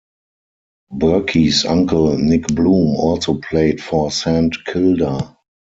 Burke's uncle Nick Bloom also played for Saint Kilda.